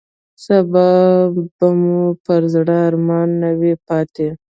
سبا به مو پر زړه ارمان نه وي پاتې.